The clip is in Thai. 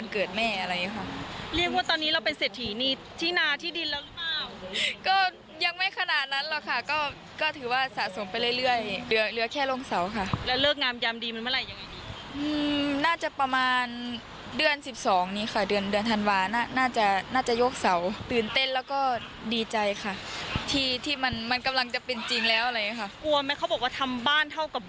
กลัวไหมเขาบอกว่าทำบ้านเท่ากับบาน